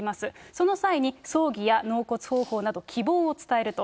その際に葬儀や納骨方法など希望を伝えると。